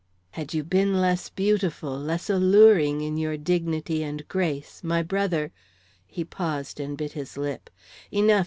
"Had you been less beautiful, less alluring in your dignity and grace, my brother " He paused and bit his lip. "Enough!"